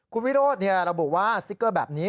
คุณวิโรธระบุว่าสติ๊กเกอร์แบบนี้